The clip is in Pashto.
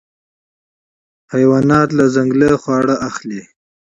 حیوانات له ځنګله خواړه اخلي.